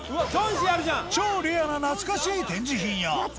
超レアな懐かしい展示品や